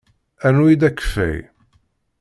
Rnu-iyi-d akeffay!